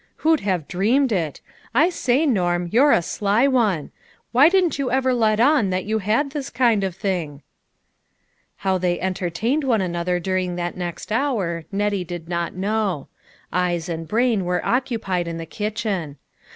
" Who'd have dreamed it. I say, Norm, you're a sly one ; why didn't you ever let on that you had this kind of thing ?" 212 LITTLE FISHEES: AND THEIR NETS. How they entertained one another during that next hour, Nettie did not know Eyes and brain were occupied in the kitchen.